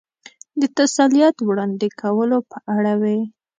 د تسلیت وړاندې کولو په اړه وې.